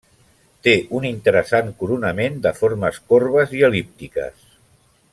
Té un interessant coronament de formes corbes i el·líptiques.